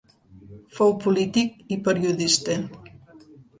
Fou polític i periodista.